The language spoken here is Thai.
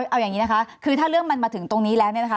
เอาอย่างนี้นะคะคือถ้าเรื่องมันมาถึงตรงนี้แล้วเนี่ยนะคะ